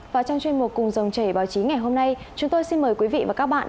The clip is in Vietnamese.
và trong chuyên mục cùng dòng chảy báo chí ngày hôm nay chúng tôi xin mời quý vị và các bạn